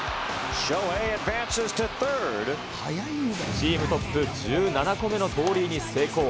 チームトップ１７個目の盗塁に成功。